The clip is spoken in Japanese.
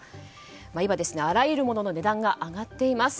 今、あらゆる物の値段が上がっています。